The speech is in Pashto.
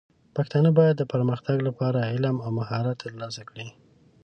پښتانه بايد د پرمختګ لپاره علم او مهارت ترلاسه کړي.